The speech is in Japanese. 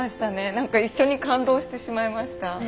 何か一緒に感動してしまいました。